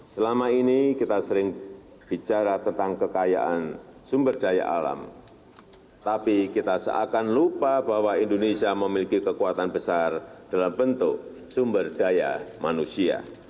selama ini kita sering bicara tentang kekayaan sumber daya alam tapi kita seakan lupa bahwa indonesia memiliki kekuatan besar dalam bentuk sumber daya manusia